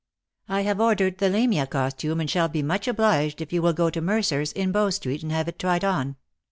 I have ordered the Lamia costume, and shall be much obliged if you will go to Mercer's, in Bow street, and have it tried on.